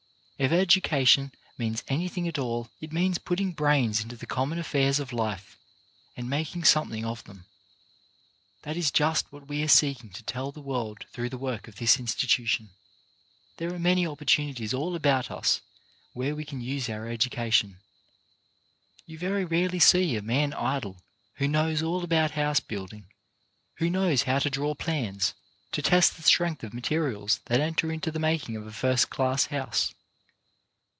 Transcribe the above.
If educa tion means anything at all, it means putting brains into the common affairs of life and making something of them. That is just what we are seeking to tell to the world through the work of this institution. There are many opportunities all about us where we can use our education. You very rarely see a man idle who knows all about house building, who knows how to draw plans, to test the strength of materials that enter into the making of a first class house.